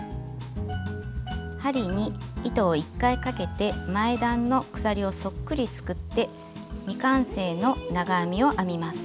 針に糸を１回かけて前段の鎖をそっくりすくって未完成の長編みを編みます。